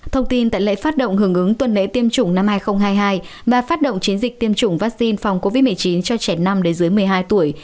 thông tin tại lễ phát động hưởng ứng tuần lễ tiêm chủng năm hai nghìn hai mươi hai và phát động chiến dịch tiêm chủng vaccine phòng covid một mươi chín cho trẻ nam đến dưới một mươi hai tuổi